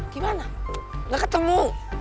gimana gak ketemu